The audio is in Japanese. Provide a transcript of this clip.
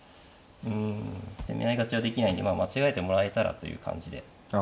攻め合い勝ちはできないんでまあ間違えてもらえたらという感じで。